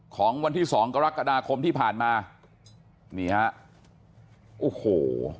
ของวันที่สองกรกฎาคมที่ผ่านมานี่ฮะโอ้โห